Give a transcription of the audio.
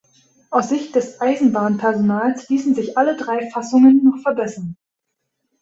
Aus Sicht des Eisenbahnpersonals ließen sich alle drei Fassungen noch verbessern.